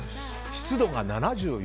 湿度が７４％。